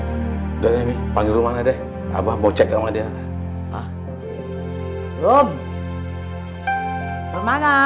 hai dami panggil mana deh abah bocek ada ha ha hai rom mana